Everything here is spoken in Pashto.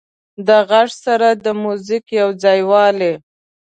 د غږ سره د موزیک یو ځایوالی